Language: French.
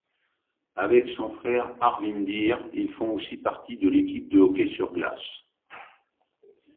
Avec son frère Harvindeer, ils font aussi partie de l'équipe de hockey sur glace.